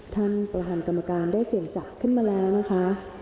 ท่านประธานกรรมการได้เสี่ยงจัดขึ้นมาแล้วนะคะ